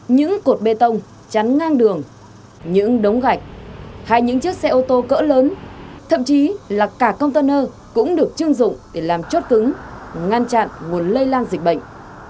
những cột bê tông chắn ngang đường những đống gạch hay những chiếc xe ô tô cỡ lớn thậm chí là cả container cũng được chưng dụng để làm chốt cứng ngăn chặn nguồn lây lan dịch bệnh